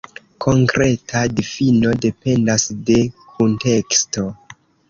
Konkreta difino dependas de kunteksto.